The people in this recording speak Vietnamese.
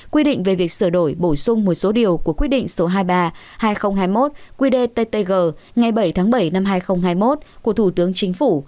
quy định về việc sửa đổi bổ sung một số điều của quyết định số hai mươi ba hai nghìn hai mươi một qdttg ngày bảy tháng bảy năm hai nghìn hai mươi một của thủ tướng chính phủ